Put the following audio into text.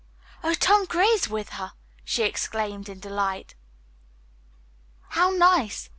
"Oh, Tom Gray is with her!" she exclaimed in delight. "How nice!"